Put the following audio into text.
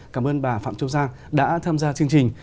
cảm ơn bà phạm châu giang đã tham gia chương trình